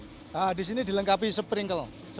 nah di sini dilengkapi sprinkle